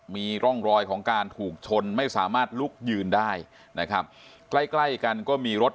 มีร่องรอยของการถูกชนไม่สามารถลุกยืนได้